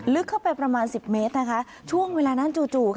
ลึกเข้าไปประมาณ๑๐เมตรช่วงเวลานั้นจู่